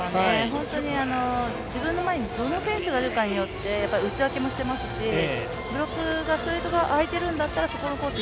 本当に自分の前にどの選手がいるかによって打ち分けもしていますしブロックがストレート側空いているんだったらそこのコース